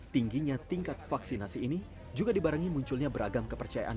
tingginya tingkat vaksinasi ini juga dibarengi munculnya beragam kepercayaan